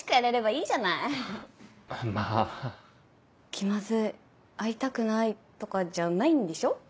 気まずい会いたくないとかじゃないんでしょ？